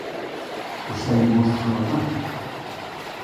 Por se hai un monstro no armario.